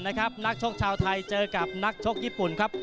แต่ว่านักชกญี่ปุ่นอะไรนี่ไม่ธรรมดานะครับ